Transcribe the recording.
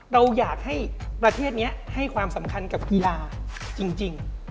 เราอยากให้ประเทศนี้ให้ความสำคัญกับกีฬาจริง